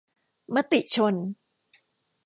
มติชน